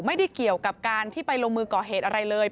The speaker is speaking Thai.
ไม่ได้เกี่ยวกับการที่ไปลงมือก่อเหตุอะไรเลย